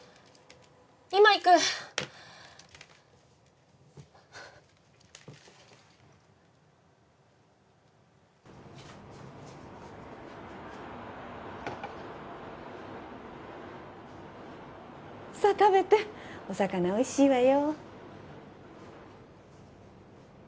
今行くさあ食べてお魚おいしいわよ